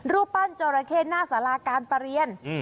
รูปปั้นจราเข้หน้าสาราการประเรียน